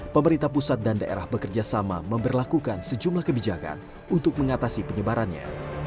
pemerintah pusat dan daerah bekerjasama memberlakukan sejumlah kebijakan untuk mengatasi penyebarannya